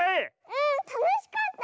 うんたのしかった！